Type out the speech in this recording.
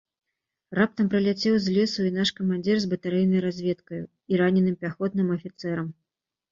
Раптам прыляцеў з лесу і наш камандзір з батарэйнай разведкаю і раненым пяхотным афіцэрам.